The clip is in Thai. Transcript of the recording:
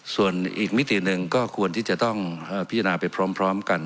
ส่วนอีกมิติหนึ่งก็ควรที่จะต้องพิจารณาไปพร้อมกัน